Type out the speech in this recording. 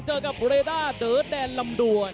เจอกับเรด้าเด๋อแดนลำดวน